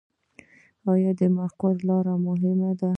د مقر لاره مهمه ده